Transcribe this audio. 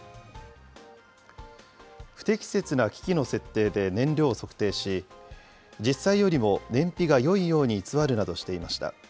不適切な機器の設定で燃料を測定し、実際よりも燃費がよいように偽るなどしていました。